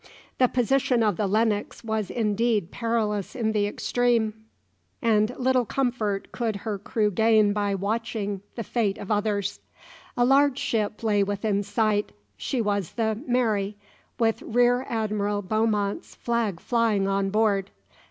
The position of the "Lennox" was indeed perilous in the extreme, and little comfort could her crew gain by watching the fate of others. A large ship lay within sight she was the "Mary" with Rear Admiral Beaumont's flag flying on board.